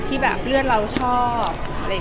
ที่เรือดเราชอบ